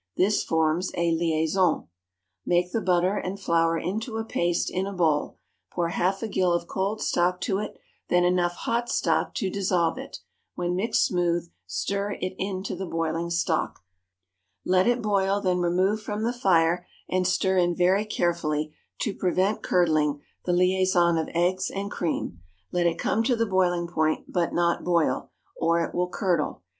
This forms a "liaison." Make the butter and flour into a paste in a bowl, pour half a gill of cold stock to it, then enough hot stock to dissolve it; when mixed smooth, stir it into the boiling stock, let it boil, then remove from the fire, and stir in very carefully, to prevent curdling, the liaison of eggs and cream; let it come to the boiling point, but not boil, or it will curdle.